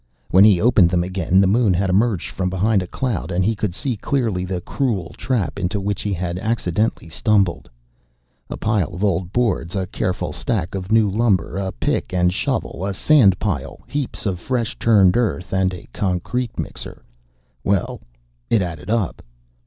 When he opened them again, the moon had emerged from behind a cloud, and he could see clearly the cruel trap into which he had accidentally stumbled. A pile of old boards, a careful stack of new lumber, a pick and shovel, a sand pile, heaps of fresh turned earth, and a concrete mixer well, it added up.